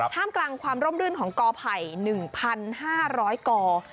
ท่ามกลางความร่มรื่นของกอไผ่๑๕๐๐กอ